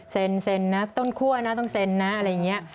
ตรงนี้เซนต้นคั่วต้องเซนนะอะไรอย่างนี้